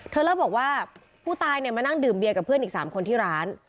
เธอแล้วบอกว่าผู้ตายมานั่งดื่มเบียกับเพื่อนอีก๓คนที่ร้าน